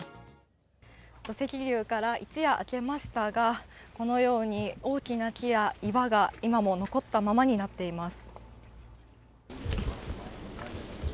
土石流から一夜明けましたがこのように大きな木や岩が今も残ったままになっています。